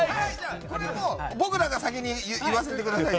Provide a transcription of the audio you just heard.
これもう僕らが先に言わせてくださいよ。